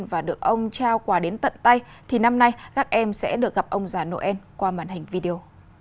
và được ông trao quà đến tận tay thì năm nay các em sẽ được gặp ông già noel qua màn hình video